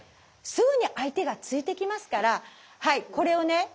すぐに相手が突いてきますからこれをね